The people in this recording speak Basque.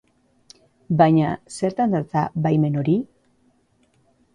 Baina, zertan datza baimen hori?